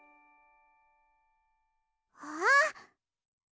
あっ！